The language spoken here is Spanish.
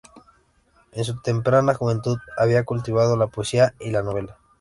En su temprana juventud, había cultivado la poesía y la novela.